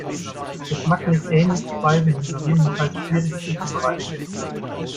Geschmacklich ähnliche Speisen sind gegebenenfalls schwierig zuzubereiten.